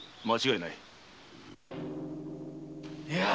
間違いない。